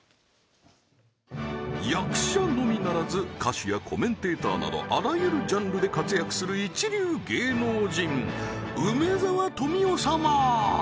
役者のみならず歌手やコメンテーターなどあらゆるジャンルで活躍する一流芸能人梅沢富美男様